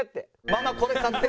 「ママこれ買って」